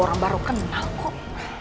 orang baru kenal kok